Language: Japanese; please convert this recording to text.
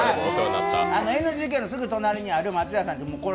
ＮＧＫのすぐ隣にある松屋さん。